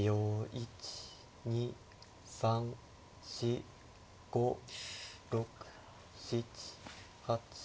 １２３４５６７８９。